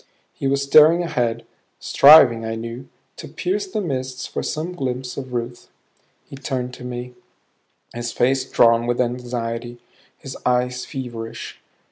He was staring ahead, striving, I knew, to pierce the mists for some glimpse of Ruth. He turned to me, his face drawn with anxiety, his eyes feverish.